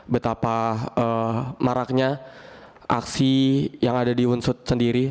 betapa maraknya aksi yang ada di hunsut sendiri